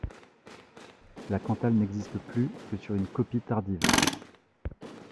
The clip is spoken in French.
La cantate n'existe plus que sur une copie tardive.